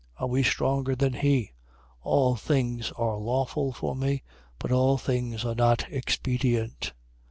Are we stronger than he? All things are lawful for me: but all things are not expedient.